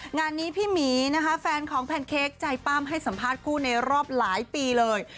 งานนี้พี่หมีนะคะแฟนของแพนเค้กใจปั้มให้สัมภาษณ์คู่ในรอบหลายปีเลย